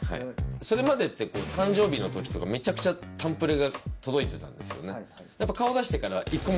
それまでって誕生日の時とかめちゃくちゃ誕プレが届いてたんですよね。